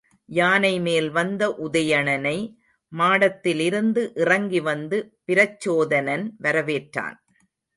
யானைமேல் வந்த உதயணனை மாடத்திலிருந்து இறங்கி வந்து பிரச்சோதனன் வரவேற்றான்.